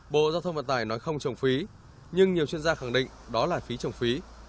bộ giao thông vận tải nói không trồng phí nhưng nhiều chuyên gia khẳng định đó là phí trồng phí